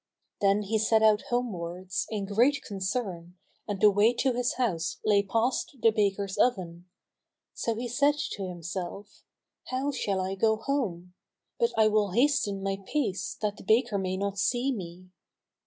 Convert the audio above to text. Then he set out homewards, in great concern, and the way to his house lay past the baker's oven; so he said to himself, "How shall I go home? But I will hasten my pace that the baker may not see me."